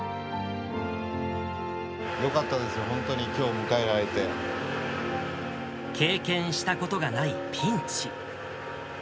よかったですよ、本当に、経験したことがないピンチ。